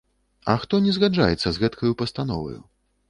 - А хто не згаджаецца з гэткаю пастановаю?